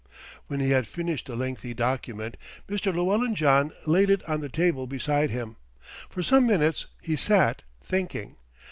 When he had finished the lengthy document, Mr. Llewellyn John laid it on the table beside him. For some minutes he sat thinking.